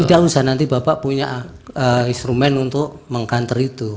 tidak usah nanti bapak punya instrumen untuk meng counter itu